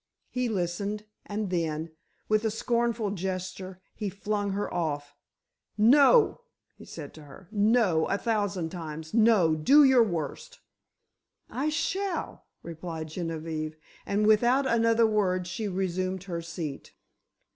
He listened, and then, with a scornful gesture he flung her off. "No!" he said to her; "no! a thousand times, no! Do your worst." "I shall!" replied Genevieve, and without another word she resumed her seat.